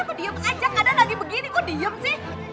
aku diem aja kadang lagi begini kok diem sih